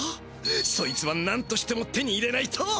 そいつはなんとしても手に入れないと！